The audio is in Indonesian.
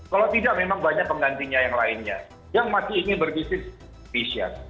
kalau tidak memang banyak penggantinya yang lainnya yang masih ingin berbisnis fashion